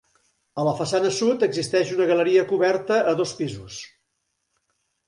A la façana sud existeix una galeria coberta a dos pisos.